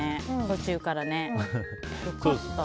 途中から。